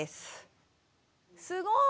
すごい！